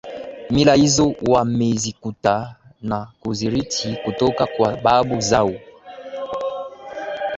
mila hizo wamezikuta na kuzirithi kutoka kwa babu zao